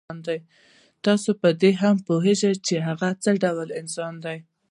تاسو په دې هم پوهېږئ چې هغه څه ډول انسان دی.